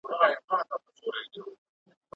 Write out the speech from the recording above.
¬ دوې هندوانې په يوه لاس کي نه نيول کېږي.